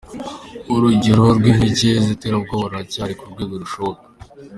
Urugero rw'inkeke z'iterabwoba ruracyari ku rwego "rushoboka".